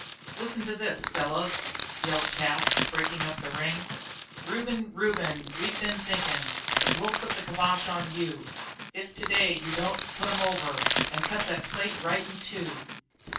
"Listen to this, fellows," yelled Cas, breaking up the ring. "Reuben, Reuben, we've been thinking That we'll put the kibosh on you If today you don't put 'em over, And cut the plate right in two."